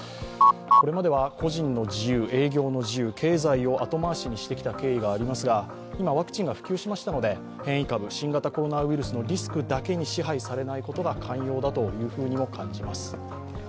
これまでは個人の自由、営業の自由経済を後回しにしてきた経緯がありますが今、ワクチンが普及しましたので、変異ウイルス、新型コロナウイルスのリスクだけに支配されないことが肝要だと感じます。